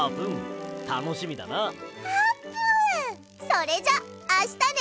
それじゃあしたね！